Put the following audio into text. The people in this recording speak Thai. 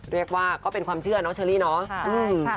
เรียกว่าก็เป็นความเชื่อเนอะเชอร์ลี่เนอะ